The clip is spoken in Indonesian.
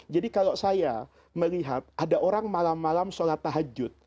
jadi kalau saya melihat ada orang malam malam sholat tahajud